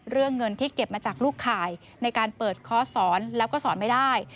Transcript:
เรื่องเงินที่เก็บมาจากลูกข่ายในการเปิดคอร์สสอนแล้วก็สอนไม่ได้